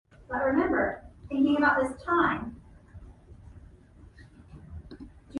All of Cincinnati's full-power stations, in contrast, carried programming from national networks.